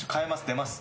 出ます。